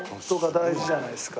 大事じゃないですか。